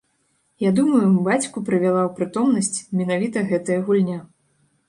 Я думаю, бацьку прывяла ў прытомнасць менавіта гэтая гульня.